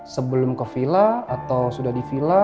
sebelum ke vila atau sudah di vila